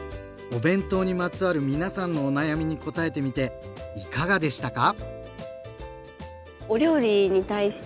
お弁当にまつわる皆さんのお悩みにこたえてみていかがでしたか？